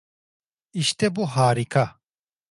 İşte bu harika.